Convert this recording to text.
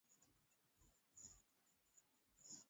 wamonaki monos sawa na moja monakos anayekaa peke yake